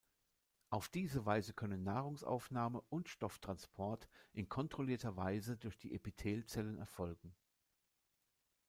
Auf diese Weise können Nahrungsaufnahme und Stofftransport in kontrollierter Weise durch die Epithelzellen erfolgen.